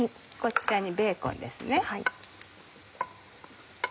こちらにベーコンですね。